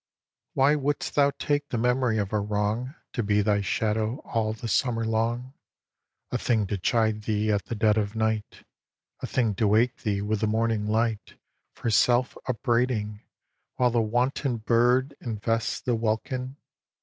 xi. Why wouldst thou take the memory of a wrong To be thy shadow all the summer long, A thing to chide thee at the dead of night, A thing to wake thee with the morning light For self upbraiding, while the wanton bird Invests the welkin?